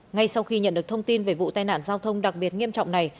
ngay sau khi nhận được thông tin về vụ tai nạn giao thông đặc biệt nghiêm trọng này